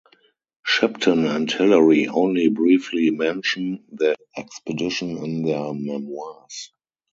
Shipton and Hillary only briefly mention the expedition in their memoirs.